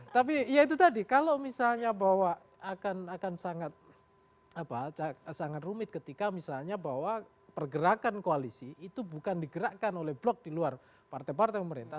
tapi ya itu tadi kalau misalnya bahwa akan sangat rumit ketika misalnya bahwa pergerakan koalisi itu bukan digerakkan oleh blok di luar partai partai pemerintah